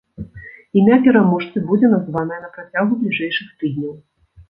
Імя пераможцы будзе названае на працягу бліжэйшых тыдняў.